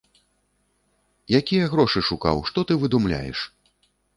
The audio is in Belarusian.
Якія грошы шукаў, што ты выдумляеш!